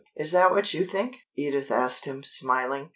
"Is that what you think?" Edith asked him, smiling.